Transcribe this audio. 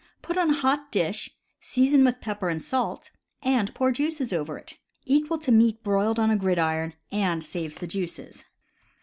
Put on hot dish, season with pepper and salt, and pour juices over it. Equal to meat broiled on a gridiron, and saves the juices.